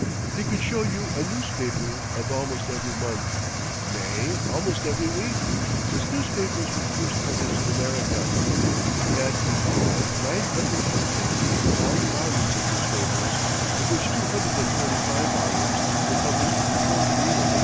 He could show you a newspaper of almost every month nay, almost every week, since newspapers were first published in America. He had in all nine hundred and fifty bound volumes of newspapers, of which two hundred and forty five volumes were published before the year 1800.